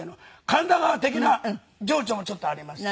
『神田川』的な情緒もちょっとあります